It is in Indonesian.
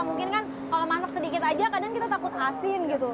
mungkin kan kalau masak sedikit aja kadang kita takut asin gitu